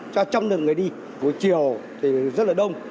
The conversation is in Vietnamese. cho một trăm linh đường người đi buổi chiều thì rất là đông